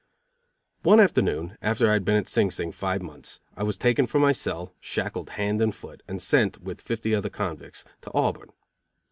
One afternoon, after I had been at Sing Sing five months, I was taken from my cell, shackled hand and foot, and sent, with fifty other convicts, to Auburn.